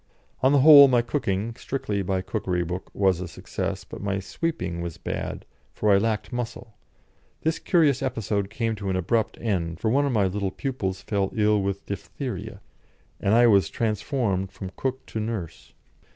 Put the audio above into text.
On the whole, my cooking (strictly by cookery book) was a success, but my sweeping was bad, for I lacked muscle. This curious episode came to an abrupt end, for one of my little pupils fell ill with diphtheria, and I was transformed from cook to nurse.